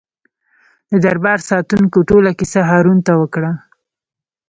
د دربار ساتونکو ټوله کیسه هارون ته وکړه.